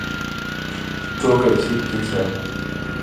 Solo queda decidir quien será.